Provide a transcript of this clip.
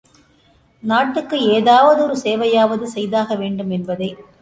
நாட்டுக்கு ஏதாவது ஒரு சேவையாவது செய்தாக வேண்டும் என்பதே.